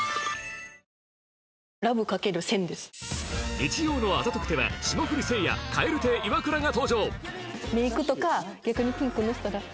日曜の『あざとくて』は霜降りせいや蛙亭イワクラが登場